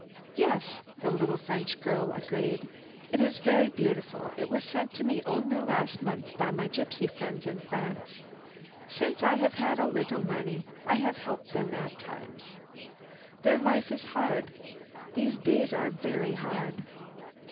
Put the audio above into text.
"Yes," the little French girl agreed, "it is very beautiful. It was sent to me only last month by my gypsy friends in France. Since I have had a little money I have helped them at times. Their life is hard. These days are very hard.